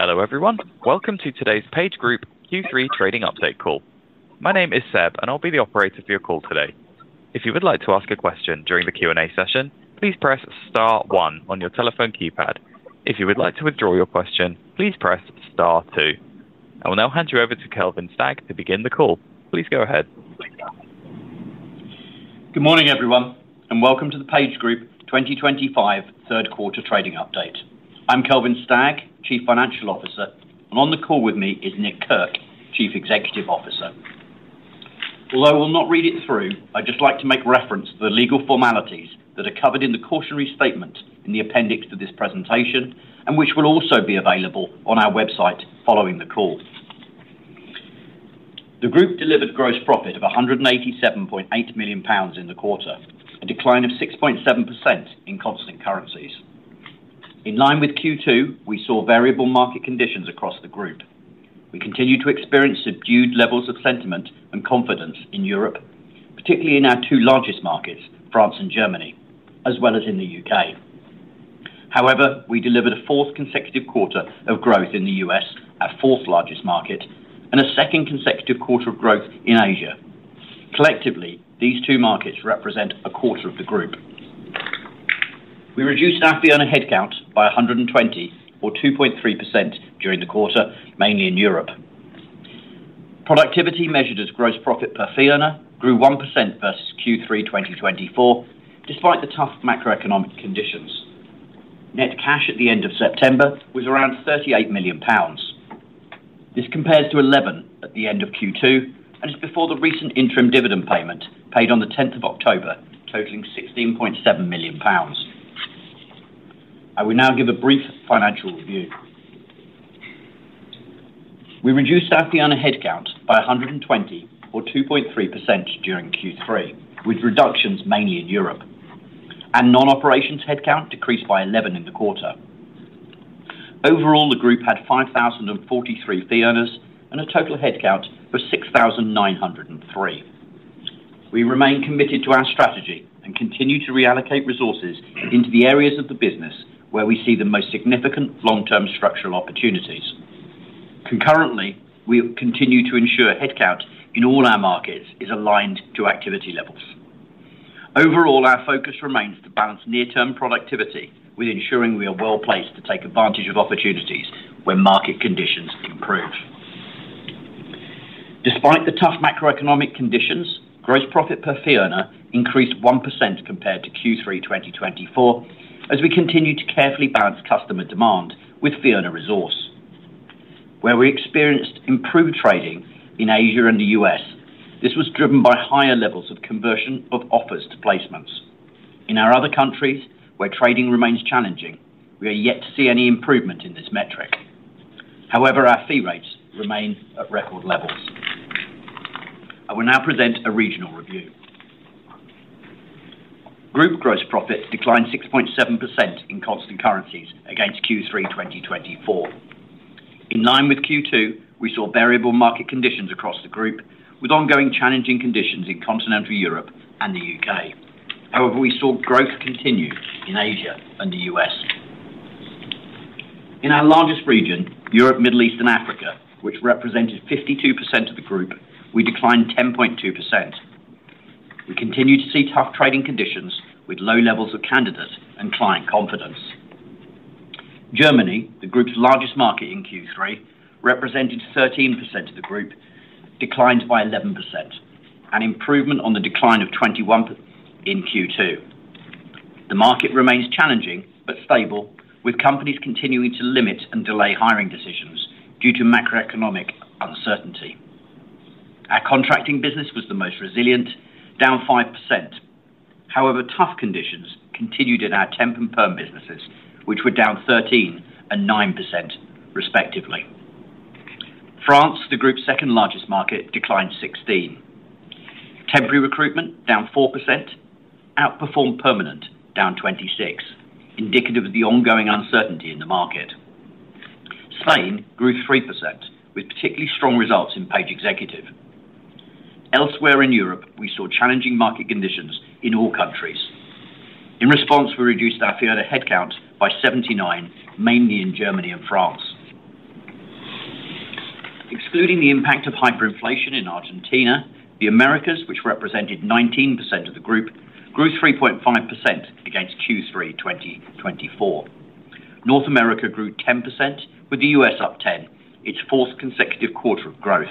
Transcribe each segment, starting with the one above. Hello everyone. Welcome to today's PageGroup Q3 trading update call. My name is Seb and I'll be the operator for your call today. If you would like to ask a question during the Q&A session, please press star, one on your telephone keypad. If you would like to withdraw your question, please press star two. I will now hand you over to Kelvin Stagg to begin the call. Please go ahead. Good morning everyone and welcome to the PageGroup 2025 third quarter trading update. I'm Kelvin Stagg, Chief Financial Officer, and on the call with me is Nicholas Kirk, Chief Executive Officer. Although I will not read it through, I'd just like to make reference to the legal formalities that are covered in the cautionary statement in the appendix to this presentation and which will also be available on our website. Following the call, the group delivered gross profit of £187.8 million in the quarter and a decline of 6.7% in constant currencies. In line with Q2, we saw variable market conditions across the group. We continue to experience subdued levels of sentiment and confidence in Europe, particularly in our two largest markets, France and Germany, as well as in the U.K.. However, we delivered a fourth consecutive quarter of growth in the U.S., our fourth largest market, and a second consecutive quarter of growth in Asia. Collectively, these two markets represent a quarter of the group. We reduced our fee earner headcount by 120 or 2.3% during the quarter, mainly in Europe. Productivity measured as gross profit per fee earner grew 1% versus Q3 2024. Despite the tough macroeconomic conditions, net cash at the end of September was around £38 million. This compares to £11 million at the end of Q2 and is before the recent interim dividend payment paid on the 10th of October totaling £16.7 million. I will now give a brief financial review. We reduced fee earner headcount by 120 or 2.3% during Q3 with reductions mainly in Europe and non-operations. Headcount decreased by 11 in the quarter. Overall, the group had 5,043 fee earners and a total headcount of 6,903. We remain committed to our strategy and continue to reallocate resources into the areas of the business where we see the most significant long-term structural opportunities. Concurrently, we continue to ensure headcount in all our markets is aligned to activity levels. Overall, our focus remains to balance near-term productivity with ensuring we are well placed to take advantage of opportunities when market conditions improve. Despite the tough macroeconomic conditions, gross profit per fee earner increased 1% compared to Q3 2024 as we continue to carefully balance customer demand with fee earner resource, where we experienced improved trading in Asia and the U.S. This was driven by higher levels of conversion of offers to placements in our other countries where trading remains challenging. We are yet to see any improvement in this metric, however, our fee rates remain at record levels. I will now present a regional review. Group gross profits declined 6.7% in constant currencies against Q3 2024. In line with Q2, we saw variable market conditions across the group, with ongoing challenging conditions in continental Europe and the U.K.. However, we saw growth continue in Asia and the U.S. In our largest region, Europe, Middle East and Africa, which represented 52% of the group, we declined 10.2%. We continue to see tough trading conditions with low levels of candidate and client confidence. Germany, the group's largest market in Q3, represented 13% of the group, declined by 11%, an improvement on the decline of 21% in Q2. The market remains challenging but stable, with companies continuing to limit and delay hiring decisions due to macroeconomic uncertainty. Our contracting business was the most resilient, down 5%. However, tough conditions continued in our temp and perm businesses, which were down 13% and 9% respectively. France, the group's second largest market, declined 16%. Temporary recruitment, down 4%, outperformed permanent, down 26%, indicative of the ongoing uncertainty in the market. Spain grew 3% with particularly strong results in Page Executive. Elsewhere in Europe, we saw challenging market conditions in all countries. In response, we reduced our fee earner headcount by 79, mainly in Germany and France, excluding the impact of hyperinflation in Argentina. The Americas, which represented 19% of the group, grew 3.5% against Q3 2024. North America grew 10% with the U.S. up 10%, its fourth consecutive quarter of growth.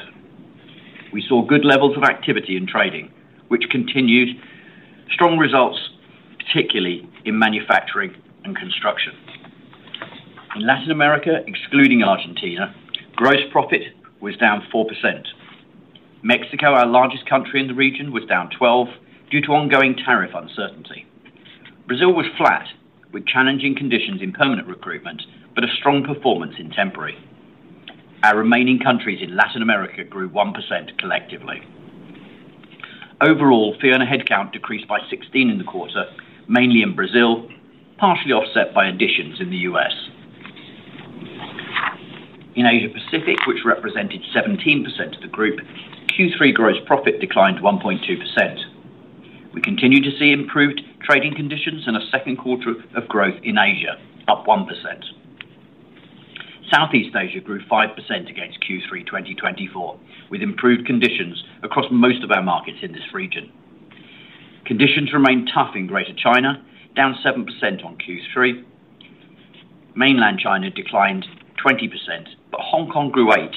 We saw good levels of activity in trading, which continued strong results, particularly in manufacturing and construction. In Latin America, excluding Argentina, gross profit was down 4%. Mexico, our largest country in the region, was down 12% due to ongoing tariff uncertainty. Brazil was flat with challenging conditions in permanent recruitment but a strong performance in temporary. Our remaining countries in Latin America grew 1% collectively. Overall, fee earner headcount decreased by 16 in the quarter, mainly in Brazil, partially offset by additions in the U.S. In Asia Pacific, which represented 17% of the group, Q3 gross profit declined 1.2%. We continue to see improved trading conditions and a second quarter of growth in Asia, up 1%. Southeast Asia grew 5% against Q3 2024, with improved conditions across most of our markets in this region. Conditions remained tough in Greater China, down 7% on Q3. Mainland China declined 20%, but Hong Kong grew 8%,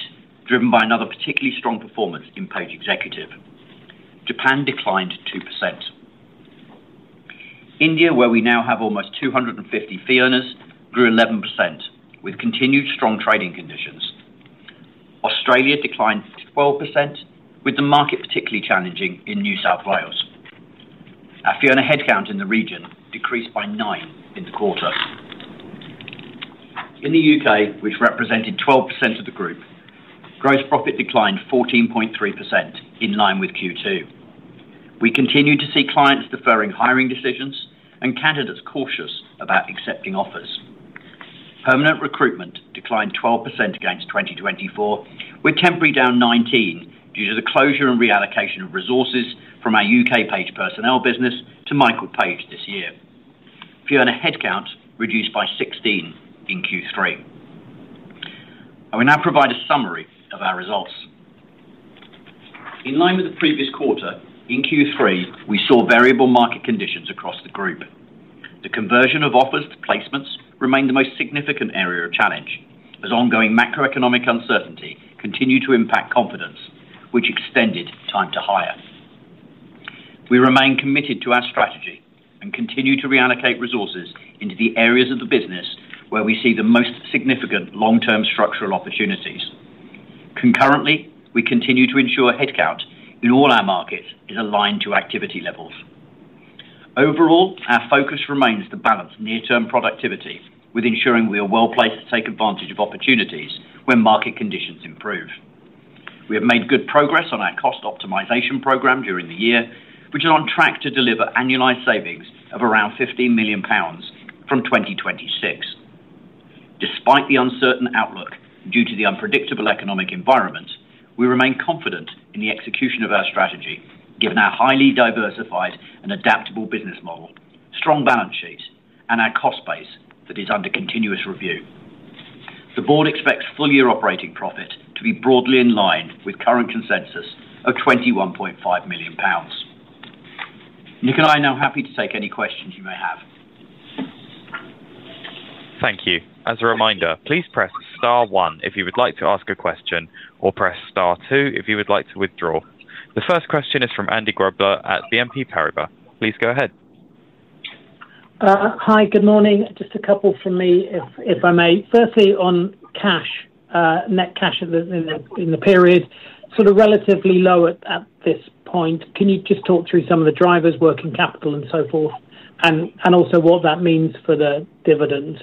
driven by another particularly strong performance in Page Executive. Japan declined 2%. India, where we now have almost 250 fee earners, grew 11% with continued strong trading conditions. Australia declined 12%, with the market particularly challenging in New South Wales. Our fee earner headcount in the region decreased by 9% in the quarter. In the U.K., which represented 12% of the group, gross profit declined 14.3% in line with Q2. We continue to see clients deferring hiring decisions and candidates cautious about accepting offers. Permanent recruitment declined 12% against 2024, with temporary down 19% due to the closure and reallocation of resources from our U.K. Page Personnel business to Michael Page this year. Fee earner headcount reduced by 16% in Q3. I will now provide a summary of our results in line with the previous quarter. In Q3, we saw variable market conditions across the group. The conversion of offers to placements remained the most significant area of challenge as ongoing macroeconomic uncertainty continued to impact confidence, which extended time to hire. We remain committed to our strategy and continue to reallocate resources into the areas of the business where we see the most significant long term structural opportunities. Concurrently, we continue to ensure headcount in all our markets is aligned to activity levels. Overall, our focus remains to balance near term productivity with ensuring we are well placed to take advantage of opportunities when market conditions improve. We have made good progress on our cost optimization program during the year, which is on track to deliver annualized savings of around £15 million from 2026. Despite the uncertain outlook due to the unpredictable economic environment, we remain confident in the execution of our strategy, given our highly diversified and adaptable business model, strong balance sheet, and our cost base that is under continuous review. The Board expects full year operating profit to be broadly in line with current consensus and of £21.5 million. Nick and I are now happy to take any questions you may have. Thank you. As a reminder, please press star, one if you would like to ask a question or press star two if you would like to withdraw. The first question is from Andrew Grobler at BNP Pariba. Please go ahead. Hi, good morning. Just a couple from me if I may. Firstly, on net cash in the period, sort of relatively low at this point. Can you just talk through some of the drivers, working capital and so forth, and also what that means for the dividend?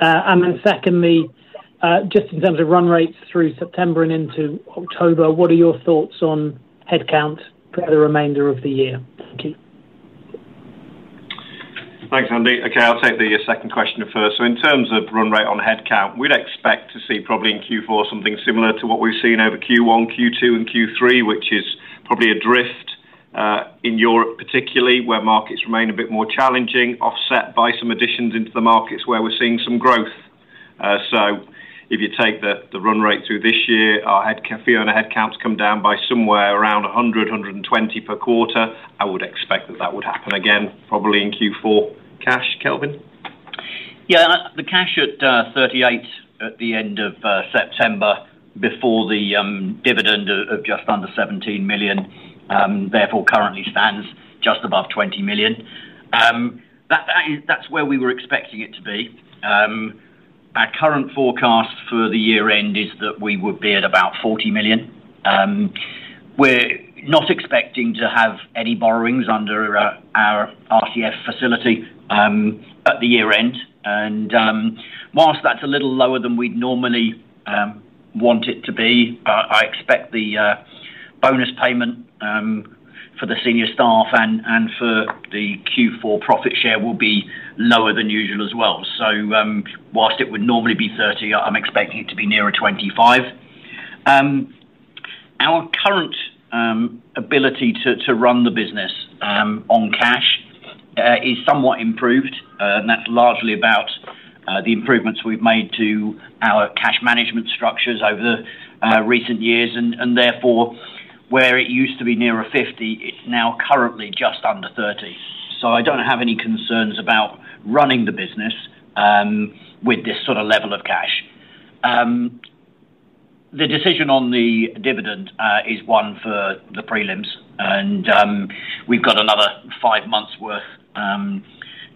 Then, just in terms of run rates through September and into October, what are your thoughts on headcount? For the remainder of the year. Thanks, Andy. Okay, I'll take the second question first. In terms of run rate on headcount, we'd expect to see probably in Q4 something similar to what we've seen over Q1, Q2, and Q3, which is probably a drift in Europe, particularly where markets remain a bit more challenging, offset by some additions into the markets where we're seeing some growth. If you take the run rate through this year, our fee earner headcount has come down by somewhere around 100, 120 per quarter. I would expect that would happen again probably in Q4. Kelvin? Yeah, the cash at £38 million at the end of September before the dividend of just under £17 million, therefore currently stands just above £20 million. That's where we were expecting it to be. Our current forecast for the year end is that we would be at about £40 million. We're not expecting to have any borrowings under our RTF facility at the year end. Whilst that's a little lower than we'd normally want it to be, I expect the bonus payment for the senior staff and for the Q4 profit share will be lower than usual as well. Whilst it would normally be £30 million, I'm expecting it to be nearer £25 million. Our current ability to run the business on cash is somewhat improved and that's largely about the improvements we've made to our cash management structures over the recent years, and therefore where it used to be nearer £50 million, it's now currently just under £30 million. I don't have any concerns about running the business with this sort of level of cash. The decision on the dividend is one for the prelims and we've got another five months' worth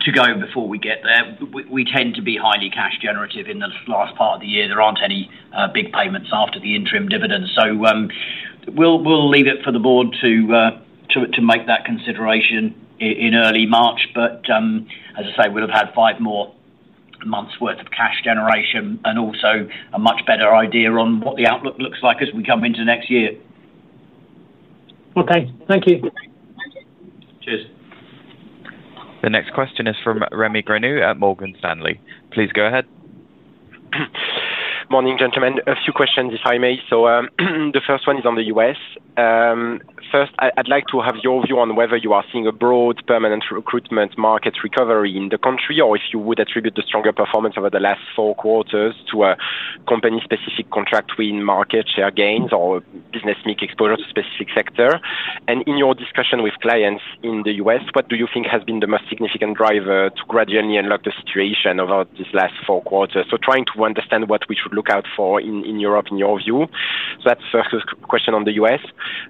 to go before we get there. We tend to be highly cash generative in the last part of the year. There aren't any big payments after the interim dividend, so we'll leave it for the board to make that consideration in early March. As I say, we'll have had five more months' worth of cash generation and also a much better idea on what the outlook looks like as we come into next year. Okay, thank you. Cheers. The next question is from Rémi Grenu at Morgan Stanley. Please go ahead. Morning, gentlemen. A few questions if I may. The first one is on the U.S. First, I'd like to have your view on whether you are seeing a broad permanent recruitment market recovery in the country or if you would attribute the stronger performance over the last four quarters to a company-specific contract, with market share gains or business mix exposure to specific sectors. In your discussion with clients in the U.S., what do you think has been the most significant driver to gradually unlock the situation over these last four quarters? I'm trying to understand what we should look out for in Europe in your view. That's the first question on the U.S.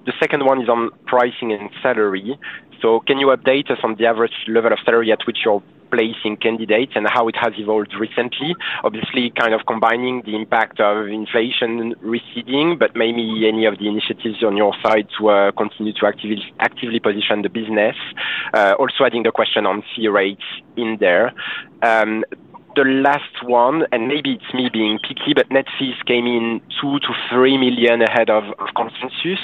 The second one is on pricing and salary. Can you update us on the average level of salary at which you're placing candidates and how it has evolved recently? Obviously, kind of combining the impact of inflation receding, but maybe any of the initiatives on your side where you continue to actively position the business. Also, adding the question on fee rates in there. The last one, and maybe it's me being picky, but net fees came in $2 million-$3 million ahead of consensus,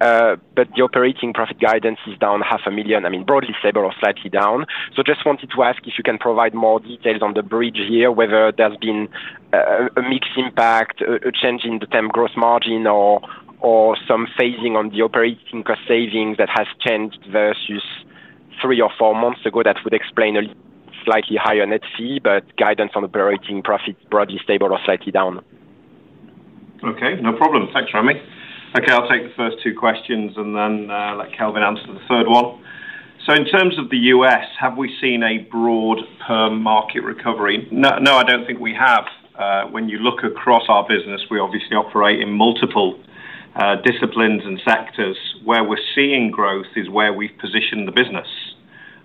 but the operating profit guidance is down $0.5 million. I mean broadly stable or slightly down. I just wanted to ask if you can provide more details on the bridge here, whether there's been a mix impact, a change in the term gross margin, or some phasing on the operating cost savings that has changed versus three or four months ago. That would explain a slightly higher net fee, but guidance on operating profit broadly stable or slightly down. Okay, no problem. Thanks, Rémi. Okay, I'll take the first two questions and then let Kelvin answer the third one. In terms of the U.S., have we seen a broad per market recovery? No, I don't think we have. When you look across our business, we obviously operate in multiple disciplines and sectors. Where we're seeing growth is where we've positioned the business.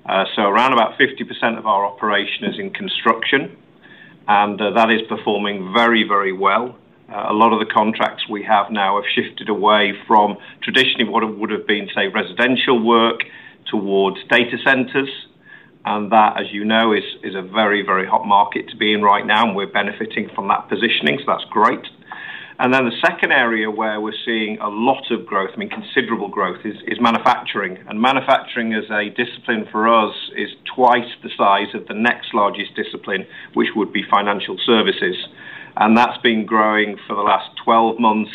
Around about 50% of our operation is in construction and that is performing very, very well. A lot of the contracts we have now have shifted away from traditionally what would have been, say, residential work towards data centers. That, as you know, is a very, very hot market to be in right now. We're benefiting from that positioning, so that's great. The second area where we're seeing a lot of growth, I mean considerable growth, is manufacturing. Manufacturing as a discipline for us is twice the size of the next largest discipline, which would be financial services. That's been growing for the last 12 months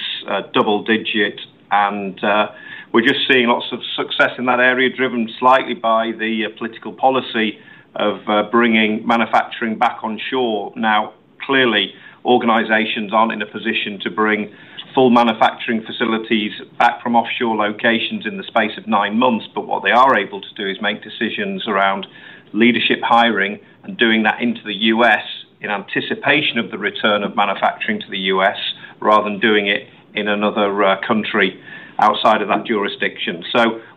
double digit. We're just seeing lots of success in that area, driven slightly by the political policy of bringing manufacturing back onshore. Clearly, organizations aren't in a position to bring full manufacturing facilities back from offshore locations in the space of nine months. What they are able to do is make decisions around leadership hiring and doing that into the U.S. in anticipation of the return of manufacturing to the U.S. rather than doing it in another country outside of that jurisdiction.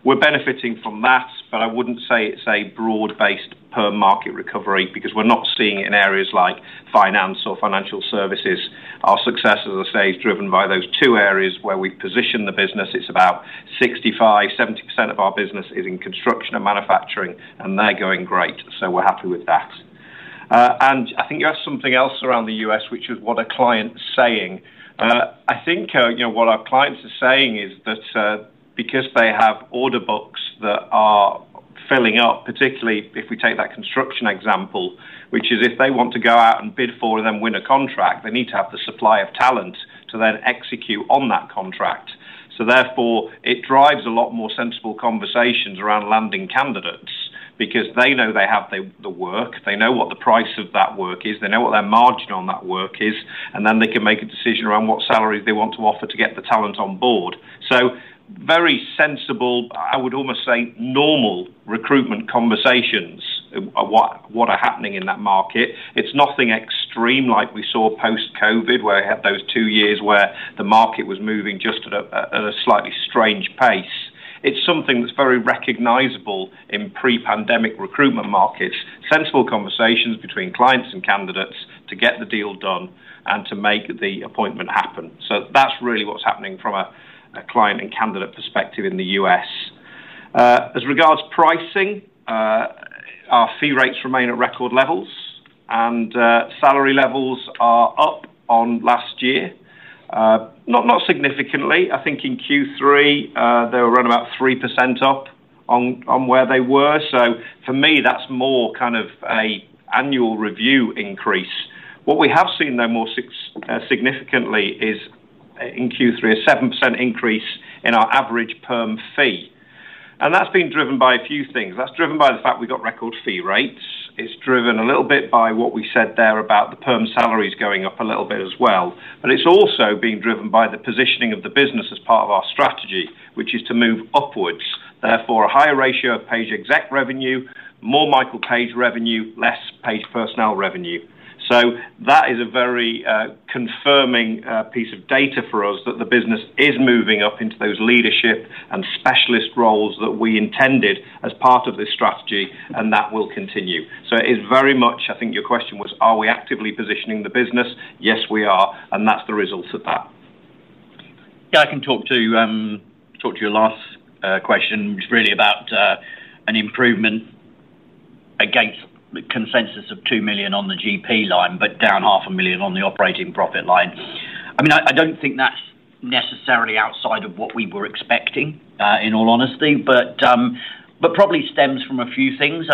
We're benefiting from that. I wouldn't say it's a broad based per market recovery because we're not seeing it in areas like finance or financial services. Our success, as I say, is driven by those two areas where we position the business. It's about 65%-70% of our business in construction and manufacturing and they're going great. We're happy with that. I think you have something else around the U.S., which is what are clients saying. I think what our clients are saying is that because they have order books that are filling up, particularly if we take that construction example, which is if they want to go out and bid for and then win a contract, they need to have the supply of talent to then execute on that contract. Therefore, it drives a lot more sensible conversations around landing candidates because they know they have the work, they know what the price of that work is, they know what their margin on that work is, and then they can make a decision around what salaries they want to offer to get the talent on board. Very sensible, I would almost say normal recruitment conversations. What is happening in that market? It's nothing extreme like we saw post Covid where those two years where the market was moving just at a slightly strange pace. It's something that's very recognizable in pre-pandemic recruitment markets. Sensible conversations between clients and candidates to get the deal done and to make the appointment happen. That's really what's happening from a client and candidate perspective in the U.S. as regards pricing. Our fee rates remain at record levels and salary levels are up on last year, not significantly. I think in Q3 they were running about 3% up on where they were. For me that's more kind of an annual review increase. What we have seen though more significantly is in Q3, a 7% increase in our average perm fee. That's been driven by a few things. That's driven by the fact we've got record fee rates. It's driven a little bit by what we said there about the perm salaries going up a little bit as well. It's also being driven by the positioning of the business as part of our strategy, which is to move upwards, therefore a higher ratio of Page Executive revenue, more Michael Page revenue, less Page Personnel revenue. That is a very confirming piece of data for us that the business is moving up into those leadership and specialist roles that we intended as part of this strategy. That will continue. It is very much. I think your question was, are we actively positioning the business? Yes, we are. That's the result of that. I can talk to your last question. It's really about an improvement against the consensus of $2 million on the GP line, but down $0.5 million on the operating profit line. I mean, I don't think that's necessarily outside of what we were expecting, in all honesty, but probably stems from a few things,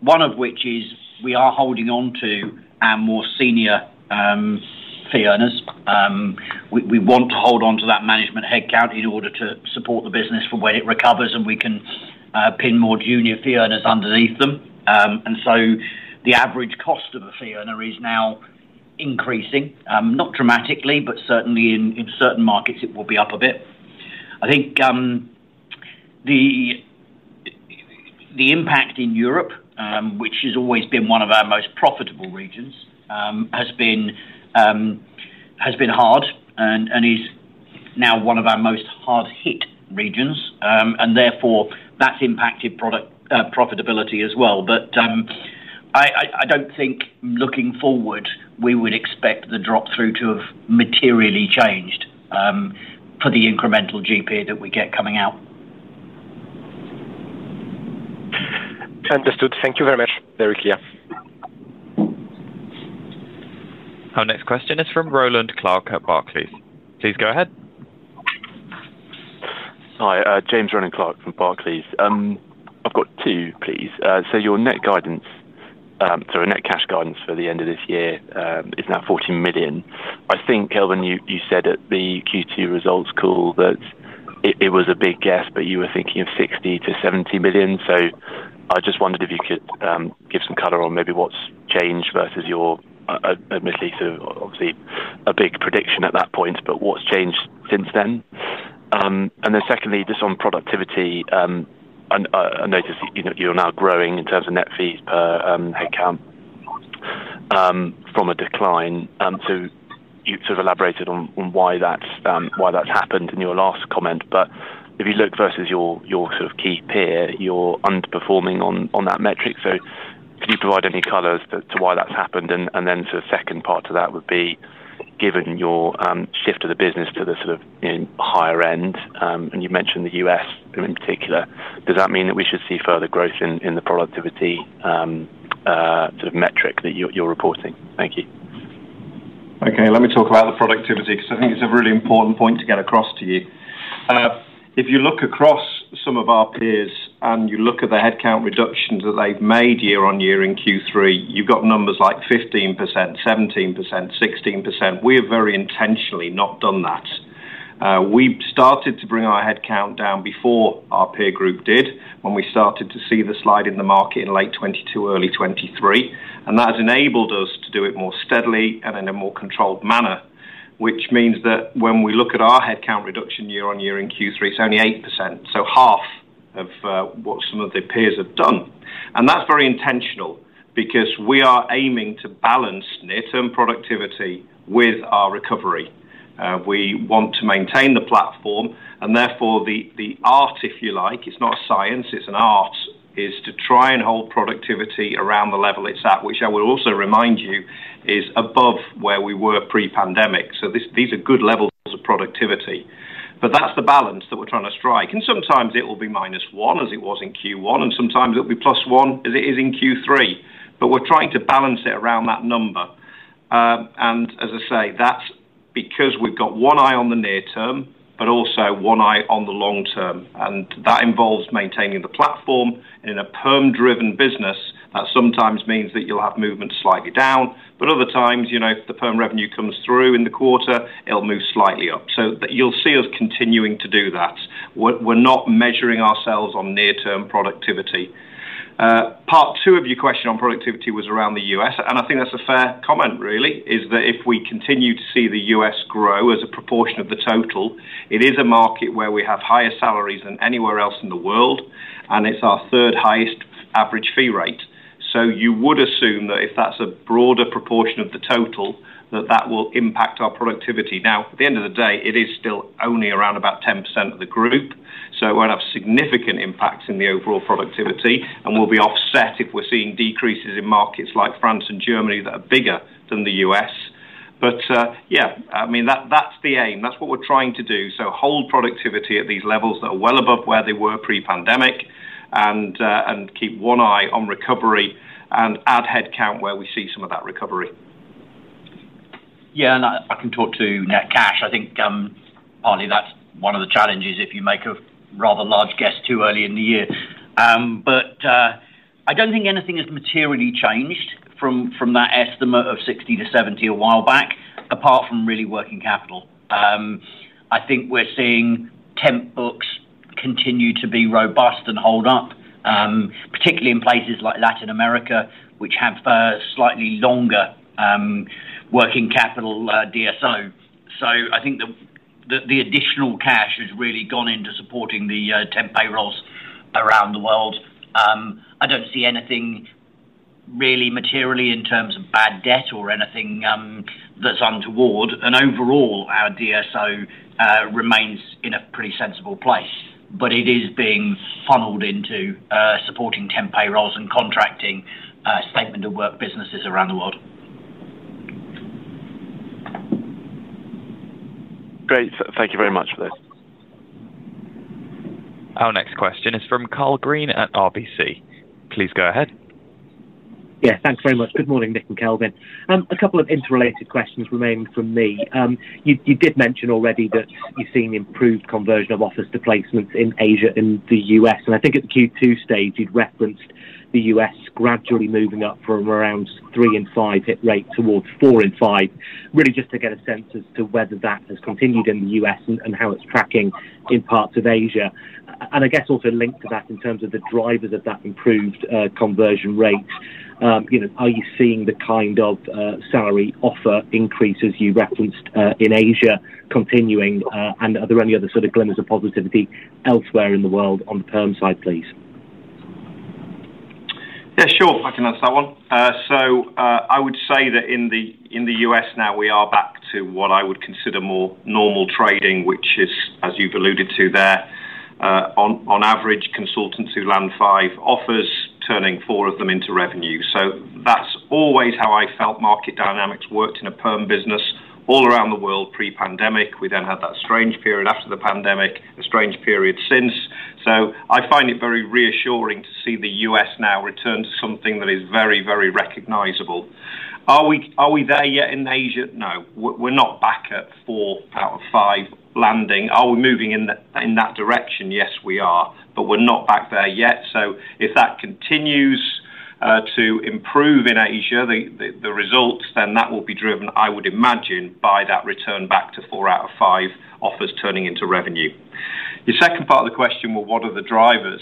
one of which is we are holding on to our more senior fee earners. We want to hold on to that management headcount in order to support the business for when it recovers and we can pin more junior fee earners underneath them. The average cost of a fee earner is now increasing, not dramatically, but certainly in certain markets it will be up a bit. I think the impact in Europe, which has always been one of our most profitable regions, has been hard and is now one of our most hard hit regions and therefore that's impacted product profitability as well. I don't think looking forward, we would expect the drop through to have materially changed for the incremental GP that we get coming out. Understood, thank you very much. Very clear. Our next question is from Rowland Clark at Barclays. Please go ahead. Hi, James Rowland Clark from Barclays. I've got two, please. Your net cash guidance for the end of this year is now £14 million, I think. Kelvin, you said at the Q2 results call that it was a big guess, but you were thinking of £60 million-£70 million. I just wondered if you could give some color on maybe what's changed versus your admittedly so obviously a big prediction at that point, what's changed since then? Secondly, just on productivity, I noticed you're now growing in terms of net fees per headcount from a decline. You sort of elaborated on why that's happened in your last comment. If you look versus your sort of key peer, you're underperforming on that metric. Could you provide any color as to why that's happened? The second part to that would be given your shift of the business to the sort of higher end, and you mentioned the US in particular, does that mean that we should see further growth in the productivity sort of metric that you're reporting? Thank you. Okay, let me talk about the productivity because I think it's a really important point to get across to you. If you look across some of our peers and you look at the headcount reductions that they've made year on year in Q3, you've got numbers like 15%, 17%, 16%. We have very intentionally not done that. We started to bring our headcount down before our peer group did when we started to see the slide in the market in late 2022, early 2023. That has enabled us to do it more steadily and in a more controlled manner, which means that when we look at our headcount reduction year on year in Q3, it's only 8%. So half of what some of the peers have done. That's very intentional because we are aiming to balance near term productivity with our recovery. We want to maintain the platform and therefore the art, if you like, it's not a science, it's an art, is to try and hold productivity around the level it's at, which I will also remind you is above where we were pre-pandemic. These are good levels of productivity, but that's the balance that we're trying to strike. Sometimes it will be minus one as it was in Q1, and sometimes it'll be plus one as it is in Q3. We're trying to balance it around that number. As I say, that's because we've got one eye on the near term, but also one eye on the long term and that involves maintaining the platform. In a perm driven business, that sometimes means that you'll have movement slightly down, but other times if the perm revenue comes through in the quarter, it'll move slightly up. You'll see us continuing to do that. We're not measuring ourselves on near term productivity. Part two of your question on productivity was around the U.S. and I think that's a fair comment really is that if we continue to see the U.S. grow as a proportion of the total, it is a market where we have higher salaries than anywhere else in the world and it's our third highest average fee rate. You would assume that if that's a broader proportion of the total, that that will impact our productivity. Now at the end of the day, it is still only around about 10% of the group. We'll have significant impacts in the overall productivity and will be offset if we're seeing increases in markets like France and Germany that are bigger than the U.S. but yeah, I mean that's the aim. That's what we're trying to do. Hold productivity at these levels that are well above where they were pre-pandemic and keep one eye on recovery and add headcount where we see some of that recovery. Yeah. I can talk to net cash. I think partly that's one of the challenges if you make a rather large guess too early in the year. I don't think anything has materially changed from that estimate of £60 million-£70 million a while back, apart from really working capital. I think we're seeing temp books continue to be robust and hold up, particularly in places like Latin America, which have slightly longer working capital DSO. I think the additional cash has really gone into supporting the temp payrolls around the world. I don't see anything really materially in terms of bad debt or anything that's untoward. Overall, our DSO remains in a pretty sensible place, but it is being funneled into supporting temp payrolls and contracting statement of work businesses around the world. Great. Thank you very much for this. Our next question is from Karl Green at RBC. Please go ahead. Yeah, thanks very much. Good morning Nick and Kelvin. A couple of interrelated questions remain from me. You did mention already that you've seen improved conversion of office to placements in Asia and the U.S., and I think at the Q2 stage you'd referenced the U.S. gradually moving up from around three in five hit rate towards three in five. Really just to get a sense as to whether that has continued in the U.S. and how it's tracking in parts of Asia, and I guess also linked to that in terms of the drivers of that improved conversion rate. Are you seeing the kind of salary offer increase as you referenced in Asia continuing, and are there any other sort of glimmers of positivity elsewhere in the world on the perm side, please. Yeah, sure, I can answer that one. I would say that in the U.S. now we are back to what I would consider more normal trading, which is as you've alluded to there, on average consultants who land five offers turning four of them into revenue. That's always how I felt market dynamics worked in a perm business all around the world pre-pandemic. We then had that strange period after the pandemic, a strange period since. I find it very reassuring to see the U.S. now return to something that is very, very recognizable. Are we there yet in Asia? No, we're not back at 4 out of 5 landing. Are we moving in that direction? Yes, we are, but we're not back there yet. If that continues to improve in Asia, the results then that will be driven, I would imagine, by that return back to four out of five offers turning into revenue. The second part of the question, what are the drivers?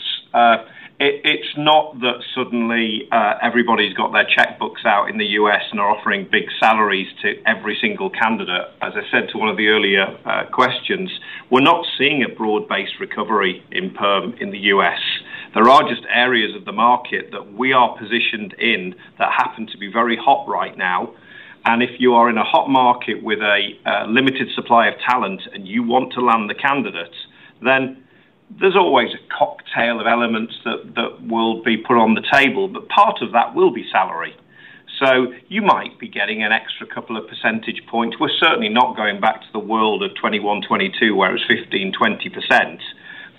It's not that suddenly everybody's got their checkbooks out in the U.S. and are offering big salaries to every single candidate. As I said to one of the earlier questions, we're not seeing a broadband recovery in perm in the U.S. There are just areas of the market that we are positioned in that happen to be very hot right now. If you are in a hot market with a limited supply of talent and you want to land the candidates, then there's always a cocktail of elements that will be put on the table. Part of that will be salary. You might be getting an extra couple of percentage points. We're certainly not going back to the world of 2021-2022 where it's 15%, 20%,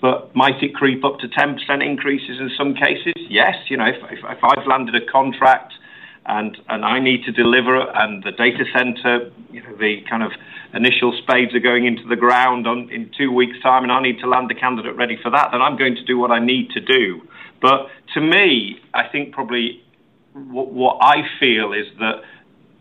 but might it creep up to 10% increases in some cases? Yes. If I've landed a contract and I need to deliver and the data center, the kind of initial spades are going into the ground in two weeks' time and I need to land the candidate ready for that, then I'm going to do what I need to do. I think probably what I feel is that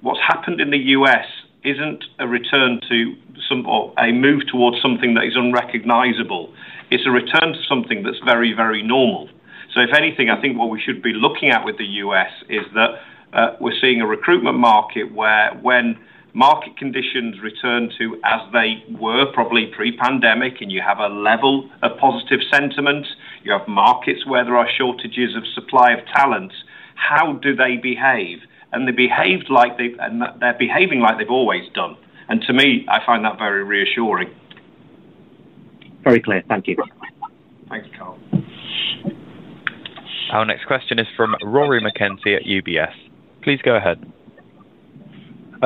what's happened in the U.S. isn't a return to some or a move towards something that is unrecognizable. It's a return to something that's very, very normal. If anything, I think what we should be looking at with the U.S. is that we're seeing a recruitment market where when market conditions return to as they were probably pre-pandemic and you have a level of positive sentiment, you have markets where there are shortages of supply of talent. How do they behave? They behaved like they, and they're behaving like they've always done. To me, I find that very reassuring. Very Clear. Thank you. Thanks, Karl. Our next question is rom Rory McKenzie at UBS. Please go ahead.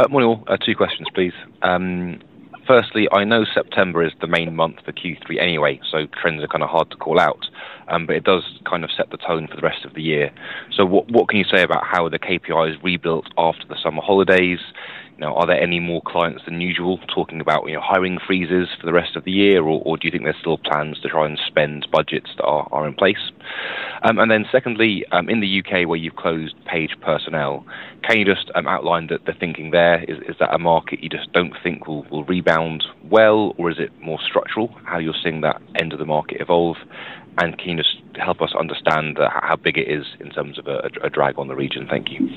Morning all. Two questions, please. Firstly, I know September is the main month for Q3 anyway, so trends are kind of hard to call out, but it does kind of set the tone for the rest of the year. What can you say about how the KPIs rebuilt after the summer holidays? Now, are there any more clients than usual talking about hiring freezes for the rest of the year, or do you think there's still plans to try and spend budgets that are in place? Secondly, in the U.K., where you've closed Page Personnel, can you just outline the thinking there? Is that a market you just don't think will rebound well, or is it more structural how you're seeing that end of the market evolve, and can you help us understand how big it is in terms of a drag on the region? Thank you.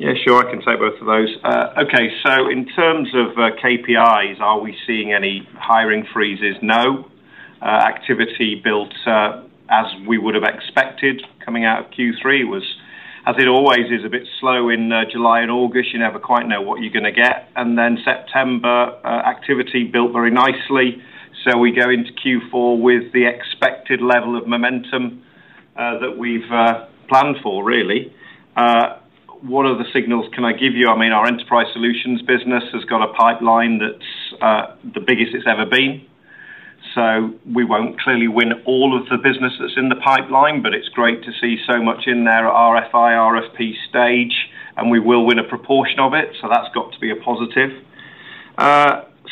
Yeah, sure. I can take both of those. Okay, so in terms of KPIs, are we seeing any hiring freezes? No. Activity built as we would have expected. Coming out of Q3 was, as it always is, a bit slow in July and August. You never quite know what you're going to get. September activity built very nicely. We go into Q4 with the expected level of momentum that we've planned for. Really, what other signals can I give you? Our Enterprise Solutions business has got a pipeline that's the biggest it's ever been. We won't clearly win all of the business that's in the pipeline, but it's great to see so much in there. RFI, RFP stage, and we will win a proportion of it. That's got to be a positive.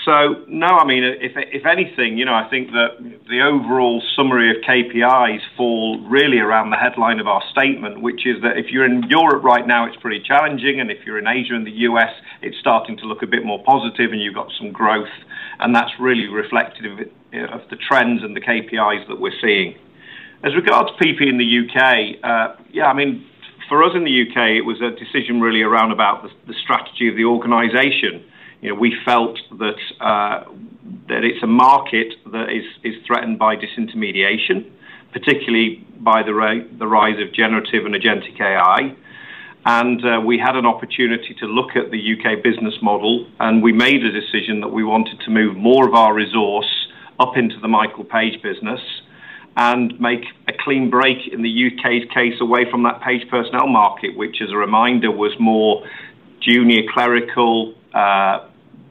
No, if anything, I think that the overall summary of KPIs falls really around the headline of our statement, which is that if you're in Europe right now, it's pretty challenging, and if you're in Asia and the U.S., it's starting to look a bit more positive and you've got some growth, and that's really reflective of the trends and the KPIs that we're seeing. As regards Page Personnel in the U.K., for us in the U.K., it was a decision really around the strategy of the organization. We felt that it's a market that is threatened by disintermediation, particularly by the rise of generative and Agentic AI. We had an opportunity to look at the U.K. business model and we made a decision that we wanted to move more of our resource up into the Michael Page business and make a clean break in the U.K.'s case away from that Page Personnel market, which as a reminder was more junior clerical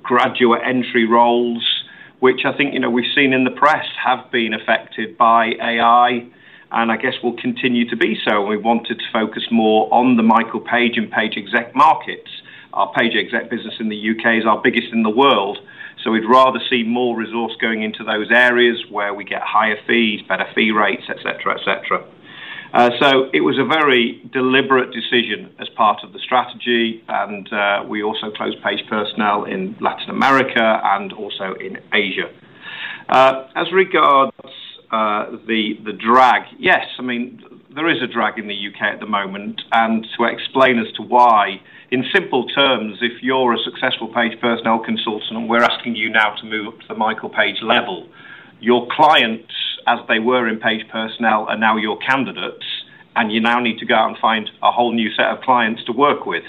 graduate entry roles, which I think we've seen in the press have been affected by AI and I guess will continue to be. We wanted to focus more on the Michael Page and Page Executive markets. Our Page Executive business in the U.K. is our biggest in the world. We'd rather see more resource going into those areas where we get higher fees, better fee rates, etc., etc. It was a very deliberate decision as part of the strategy and we also closed Page Personnel in Latin America and also in Asia as regards the drag. Yes, I mean there is a drag in the U.K. at the moment, and to explain as to why in simple terms, if you're a successful Page Personnel consultant and we're asking you now to move up to the Michael Page level, your clients as they were in Page Personnel are now your candidates, and you now need to go out and find a whole new set of clients to work with.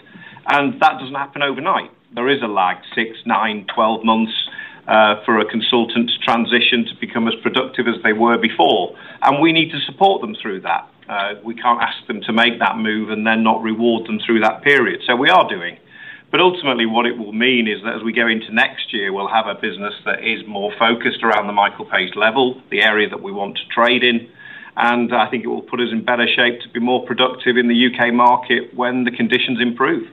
That doesn't happen overnight. There is a lag, six, nine, 12 months for a consultant to transition to become as productive as they were before. We need to support them through that. We can't ask them to make that move and then not reward them through that period. We are doing that. Ultimately, what it will mean is that as we go into next year, we'll have a business that is more focused around the Michael Page level, the area that we want to trade in. I think it will put us in better shape to be more productive in the U.K. market when the conditions improve.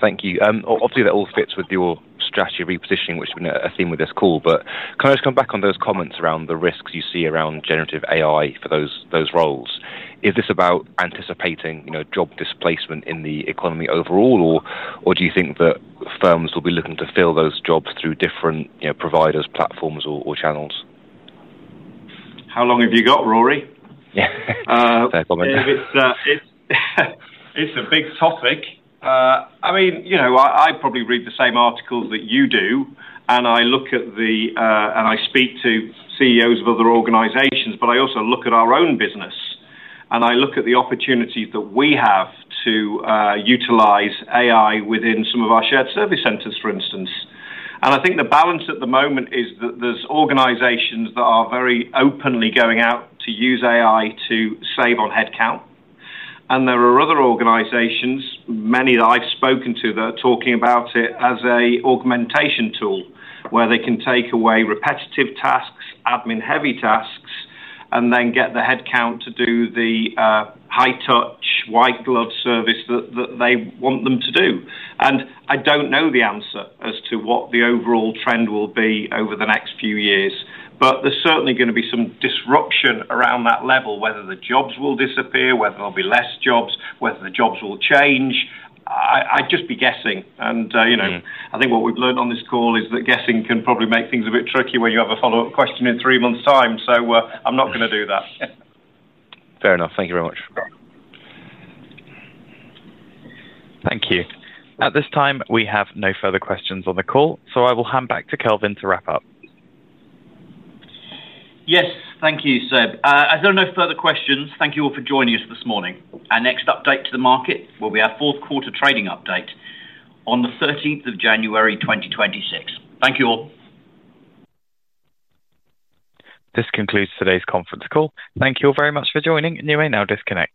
Thank you. Obviously that all fits with your strategy of repositioning, which I think with this call. Can I just come back on those comments around the risks you see around generative AI for those roles? Is this about anticipating job displacement in the economy overall or do you think that firms will be looking to fill those jobs through different providers, platforms or channels? How long have you got, Rory? It's a big topic. I mean, I probably read the same articles that you do and I look at the, and I speak to CEOs of other organizations, but I also look at our own business and I look at the opportunities that we have to utilize AI within some of our shared service centers, for instance. I think the balance at the moment is that there's organizations that are very openly going out to use AI to save on headcount and there are other organizations, many that I've spoken to, that are talking about it as an augmentation tool where they can take away repetitive tasks, admin heavy tasks, and then get the headcount to do the high touch white glove service that they want them to do. I don't know the answer as to what the overall trend will be over the next few years, but there's certainly going to be some disruption around that level. Whether the jobs will disappear, whether there'll be less jobs, whether the jobs will change. I'd just be guessing. I think what we've learned on this call is that guessing can probably make things a bit tricky when you have a follow up question in three months' time. I'm not going to do that. Fair enough. Thank you very much. Thank you. At this time, we have no further questions on the call, so I will hand back to Kelvin to wrap up. Yes, thank you, Seb. As there are no further questions, thank you all for joining us this morning. Our next update to the market will be our fourth quarter trading update on January 13, 2026. Thank you all. This concludes today's conference call. Thank you all very much for joining. You may now disconnect.